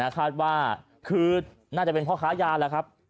คาดว่าคือน่าจะเป็นพ่อค้ายาแล้วครับ